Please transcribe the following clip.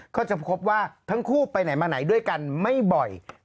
ก็จะพบว่าทั้งคู่ไปไหนมาไหนด้วยกันไม่บ่อย